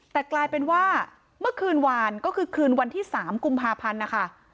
แต่กลายเป็นว่าเมื่อคืนวานก็คือคืนวันที่๓กุมภาพันธ์นะคะ